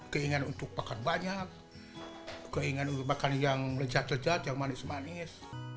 keinginan untuk makan banyak keinginan untuk makan yang lecat lejat yang manis manis